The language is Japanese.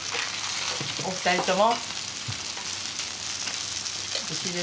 お二人とも。